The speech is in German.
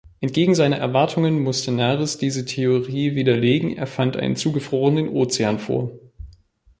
Entgegen seinen Erwartungen musste Nares diese Theorie widerlegen, er fand einen zugefrorenen Ozean vor.